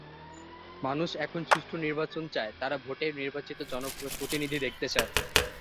মানুষ এখন সুষ্ঠু নির্বাচন চায়, তাদের ভোটে নির্বাচিত জনপ্রতিনিধি দেখতে চায়।